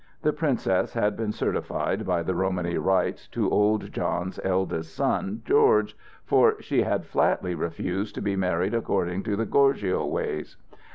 The princess had been certified, by the Romany rites, to old John's eldest son, George, for she had flatly refused to be married according to the gorgio ways.